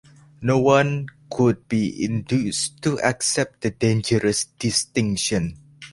No one could be induced to accept the dangerous distinction.